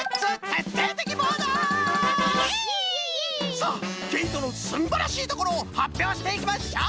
さあけいとのすんばらしいところをはっぴょうしていきましょう！